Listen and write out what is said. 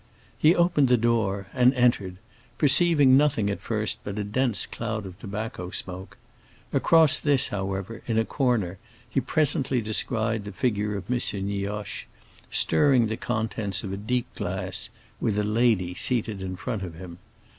He opened the door and entered, perceiving nothing at first but a dense cloud of tobacco smoke. Across this, however, in a corner, he presently descried the figure of M. Nioche, stirring the contents of a deep glass, with a lady seated in front of him.